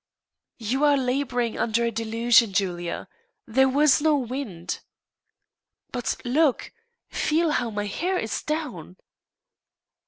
"You are labouring under a delusion, Julia. There was no wind." "But look feel how my hair is down."